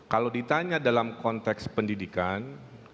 kalau ditanya dalam konteks pendidikan